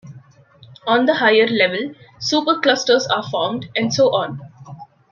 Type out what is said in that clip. On the higher level, superclusters are formed, and so on.